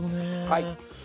はい。